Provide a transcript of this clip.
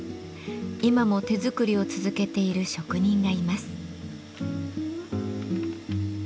今も手作りを続けている職人がいます。